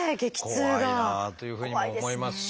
怖いなというふうにも思いますし。